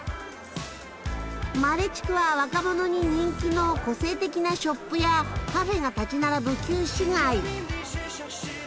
マレ地区は若者に人気の個性的なショップやカフェが建ち並ぶ旧市街。